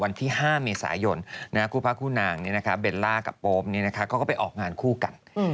วันที่๕เมษายนคู่พระคู่นางเบลล่ากับโป๊ปเขาก็ไปออกงานคู่กัน